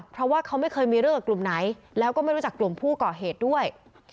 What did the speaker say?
เพราะว่าเขาไม่เคยมีเรื่องกับกลุ่มไหนแล้วก็ไม่รู้จักกลุ่มผู้ก่อเหตุด้วย